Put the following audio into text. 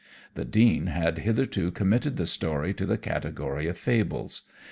The Dean had hitherto committed the story to the category of fables.